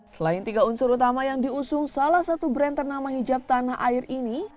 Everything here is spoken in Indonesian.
selain tiga unsur utama yang diusung salah satu brand ternama hijab tanah air ini